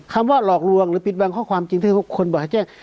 คำว่าหลอกลวงหรือปิดบางข้อความจริงถ้าภาพคนบอกให้แจ้ง